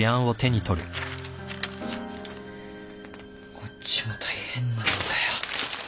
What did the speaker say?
こっちも大変なんだよ。